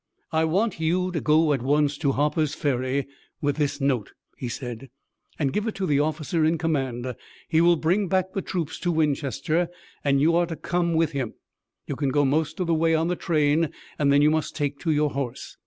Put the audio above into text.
"I want you to go at once to Harper's Ferry with this note," he said, "and give it to the officer in command. He will bring back the troops to Winchester, and you are to come with him. You can go most of the way on the train and then you must take to your horse.